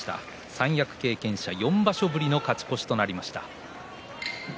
三役経験者、４場所ぶりの勝ち越しとなりました。